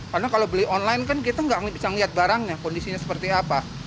karena kalau beli online kan kita nggak bisa melihat barangnya kondisinya seperti apa